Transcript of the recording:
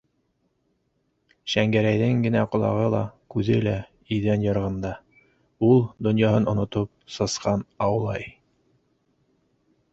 Шәңгәрәйҙең генә ҡолағы ла, күҙе лә иҙән ярығында: ул, донъяһын онотоп, сысҡан аулай.